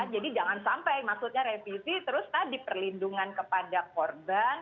jadi jangan sampai maksudnya revisi terus tadi perlindungan kepada korban